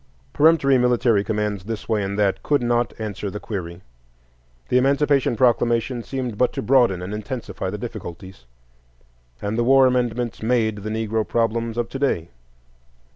Peremptory military commands this way and that, could not answer the query; the Emancipation Proclamation seemed but to broaden and intensify the difficulties; and the War Amendments made the Negro problems of to day.